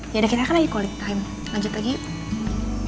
yaudah kita kan lagi kulit time lanjut lagi yuk